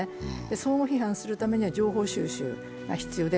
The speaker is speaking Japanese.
相互批判するためには情報収集が必要で、